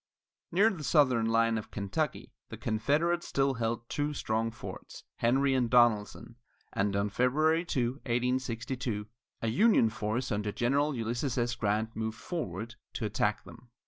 Near the southern line of Kentucky, the Confederates held two strong forts, Henry and Donelson, and on February 2, 1862, a Union force under General Ulysses S. Grant moved forward to attack them.